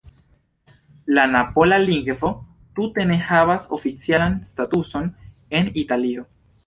La napola lingvo tute ne havas oficialan statuson en Italio.